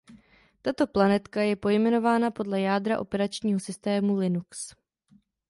Tato planetka je pojmenována podle jádra operačního systému Linux.